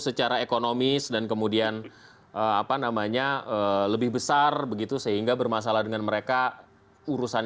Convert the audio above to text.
saya tidak pikirkan daerah lain memukakan